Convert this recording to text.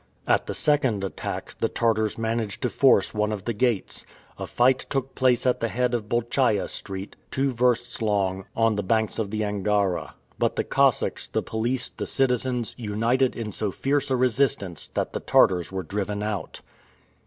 At the second attack, the Tartars managed to force one of the gates. A fight took place at the head of Bolchaia Street, two versts long, on the banks of the Angara. But the Cossacks, the police, the citizens, united in so fierce a resistance that the Tartars were driven out.